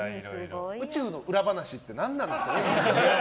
宇宙の裏話って何なんですかね。